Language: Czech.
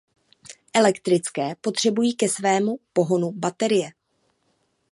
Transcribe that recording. Elektrické potřebují ke svému pohonu baterie.